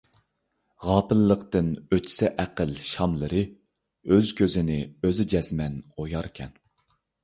غاپىللىقتىن ئۆچسە ئەقىل شاملىرى، ئۆز كۆزىنى ئۆزى جەزمەن ئوياركەن ...